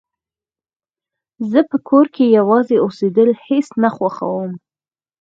زه په کور کې يوازې اوسيدل هيڅ نه خوښوم